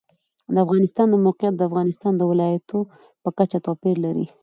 د افغانستان د موقعیت د افغانستان د ولایاتو په کچه توپیر لري.